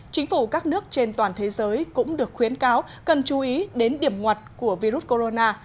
chính phủ các nước trên toàn thế giới cũng được khuyến cáo cần chú ý đến điểm ngoặt của virus corona